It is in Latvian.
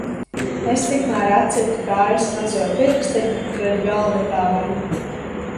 Es tikmēr atsitu kājas mazo pirkstiņu pret galda kāju.